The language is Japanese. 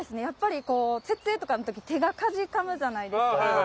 やっぱりこう設営とかの時にがかじかむじゃないですか。